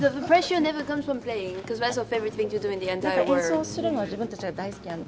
演奏するのは自分たちは大好きで。